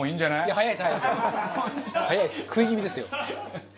早いです食い気味ですよ。